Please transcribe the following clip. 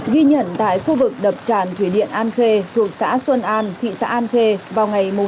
ghi nhận tại khu vực đập tràn thủy điện an khê thuộc xã xuân an thị xã an khê vào ngày tám một mươi hai hai nghìn hai mươi hai